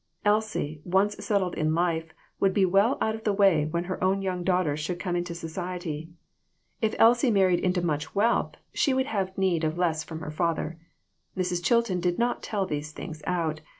Elsie, once settled in life, would be well out of the way when her own young daughters should come into society. If Elsie married into much wealth, she would have need of less from her father. Mrs. Chilton did not tell these things out.